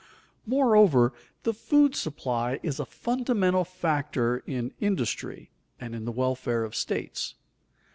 Moreover, the food supply is a fundamental factor in industry and in the welfare of states.